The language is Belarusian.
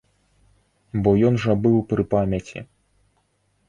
Бо ён жа быў пры памяці.